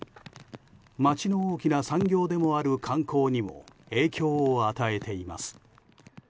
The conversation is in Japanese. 街の大きな産業でもある観光にも影響を与えています。